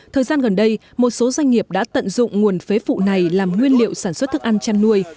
thời gian gần đây một số doanh nghiệp đã tận dụng nguồn phế phụ này làm nguyên liệu sản xuất thức ăn chăn nuôi